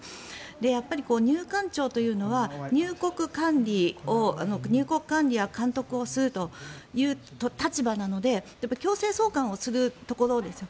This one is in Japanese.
やっぱり入管庁というのは入国管理や監督をするという立場なので強制送還をするところですよ。